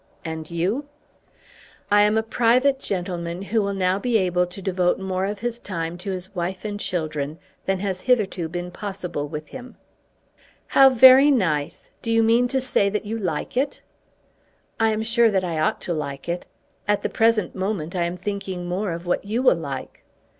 "And you?" "I am a private gentleman who will now be able to devote more of his time to his wife and children than has hitherto been possible with him." "How very nice! Do you mean to say that you like it?" "I am sure that I ought to like it. At the present moment I am thinking more of what you will like."